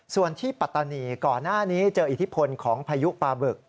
ส่วนที่ปัตตานีก่อนหน้านี้เจออิทธิพลของพายุปลาบึก